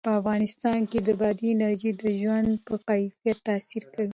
په افغانستان کې بادي انرژي د ژوند په کیفیت تاثیر کوي.